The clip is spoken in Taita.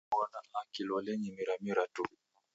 Naw'uyaw'ona a kilolenyi miramira tu.